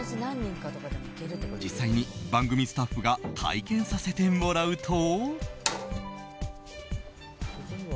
実際に番組スタッフが体験させてもらうと。